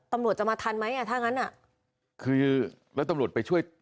ตำรวจจะมาทันไหมอ่ะถ้างั้นอ่ะคือแล้วตำรวจไปช่วย